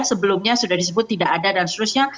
sebelumnya sudah disebut tidak ada dan seterusnya